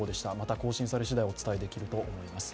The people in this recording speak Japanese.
更新されしだい、お伝えできると思います。